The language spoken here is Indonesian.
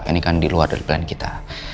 ini kan di luar dari plan kita